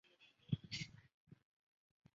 长岭经济开发区是下辖的一个类似乡级单位。